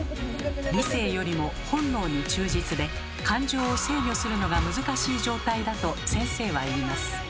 理性よりも本能に忠実で感情を制御するのが難しい状態だと先生は言います。